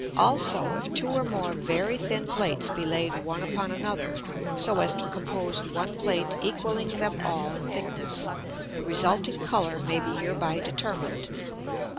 Also, if two or more very thin Plates be laid one upon another, so as to compose one Plate equalling them all in thickness, the resulting Colour may be hereby determin'd.